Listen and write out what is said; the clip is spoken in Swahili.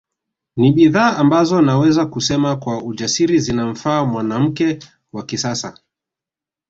Ni bidhaa ambazo naweza kusema kwa ujasiri zinamfaa mwanamke wa kisasa